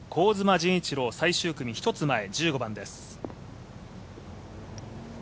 陣一朗、最終組１つ前、１５番です。